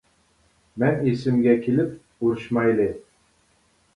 مەن ئېسىمگە كېلىپ: - ئۇرۇشمايلى!